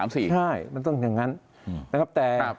ใช่มันต้องอย่างนั้นนะครับ